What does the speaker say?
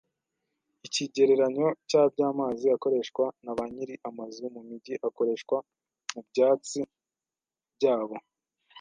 Ikigereranyo cyabyamazi akoreshwa na banyiri amazu mumijyi akoreshwa mubyatsi byabo